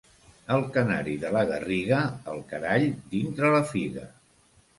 El canari de la Garriga, el carall dintre la figa.